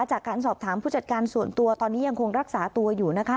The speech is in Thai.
จากการสอบถามผู้จัดการส่วนตัวตอนนี้ยังคงรักษาตัวอยู่นะคะ